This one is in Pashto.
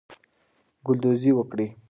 ګلدوزی وکړئ.